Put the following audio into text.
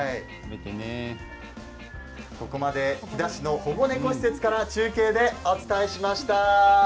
ここまで飛弾市の保護猫施設から中継でお伝えしました。